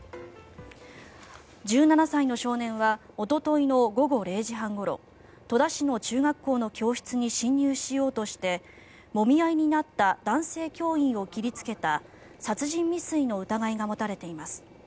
１７歳の少年はおとといの午後０時半ごろ戸田市の中学校の教室に侵入しようとしてもみ合いになった男性教員を切りつけた殺人未遂の疑いが持たれています。